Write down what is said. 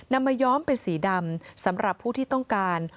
นำมาย้อมเป็นสีดำสำหรับผู้ที่ต้องการ